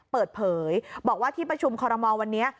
เปิดเผยบอกว่าที่ประชุมคอรมอลวันนี้